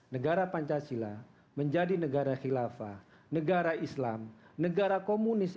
negara pancasila menjadi negara khilafah negara islam negara komunis